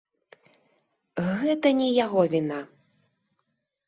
Гэта не яго віна.